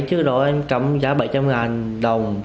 trước đó em cấm giá bảy trăm linh đồng